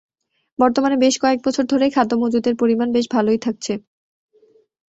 বর্তমানে বেশ কয়েক বছর ধরেই খাদ্য মজুতের পরিমাণ বেশ ভালোই থাকছে।